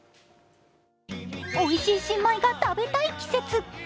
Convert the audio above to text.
おいしい新米が食べたい季節。